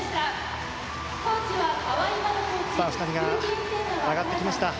２人が上がってきました。